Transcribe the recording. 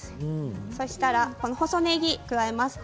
そうしたら細ねぎを加えます。